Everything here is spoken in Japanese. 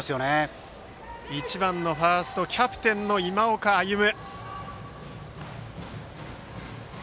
バッターは１番ファーストキャプテンの今岡歩夢。